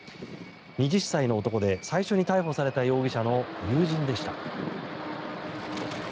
２０歳の男で最初に逮捕された容疑者の友人でした。